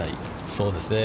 そうですね。